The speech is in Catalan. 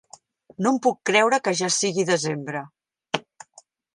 No em puc creure que ja sigui desembre.